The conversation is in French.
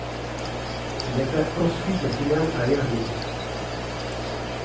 Il atteint ensuite la finale à Irving.